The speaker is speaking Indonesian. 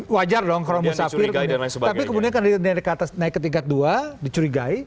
wajar dong kalau musafir tapi kemudian karena naik ke tingkat dua dicurigai